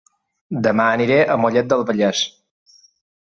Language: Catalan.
Dema aniré a Mollet del Vallès